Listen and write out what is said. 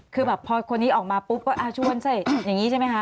คือแบบพอคนนี้ออกมาปุ๊บก็ชวนใส่อย่างนี้ใช่ไหมคะ